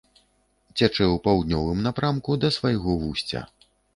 Цячэ ў паўднёвым напрамку да свайго вусця.